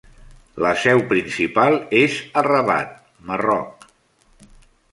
La seu principal és a Rabat, Marroc.